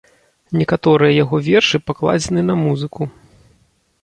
Некаторыя яго вершы пакладзены на музыку.